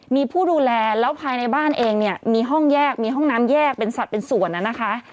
มีผู้ดูแลแล้วภายในบ้านเองเนี่ยมีห้องแยกมีห้องน้ำแยกเป็นสัตว์เป็นส่วนนะคะ